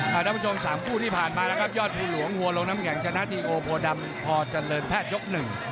ท่านผู้ชมสามคู่ที่ผ่านมานะครับยอดภูหลวงหัวลงน้ำแข็งชนะทีโอโพดำพอเจริญแพทย์ยกหนึ่ง